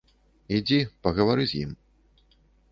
Ідзі, пагавары з ім.